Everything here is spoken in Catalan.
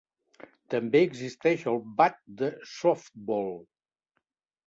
També existeix el bat de softbol.